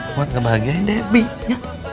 buat ngebahagiain debbie ya